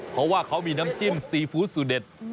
เพราะว่าเขามีน้ำจิ้มซีฟู้ดสูตเด็ด